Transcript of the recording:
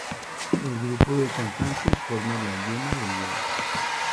El grupo de cantantes forma la "yema" del huevo.